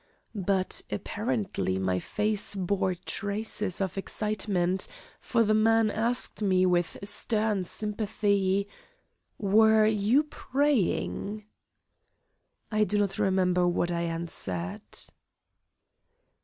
But apparently my face bore traces of excitement, for the man asked me with stern sympathy: "Were you praying?" I do not remember what I answered.